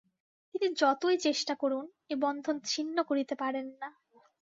তিনি যতই চেষ্টা করুন, এ বন্ধন ছিন্ন করিতে পারেন না।